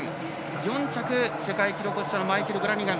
４着、世界記録保持者マイケル・ブラニガン。